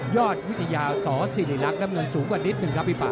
ยอดวิทยาสตร์ศรีริลักษณ์นำเงินสูงกว่านิดหนึ่งครับพี่ป่า